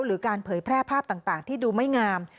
หรือการเผยแพร่ภาพต่างที่ดูไม่งาม